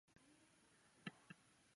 中间神经元连接神经元及中枢神经。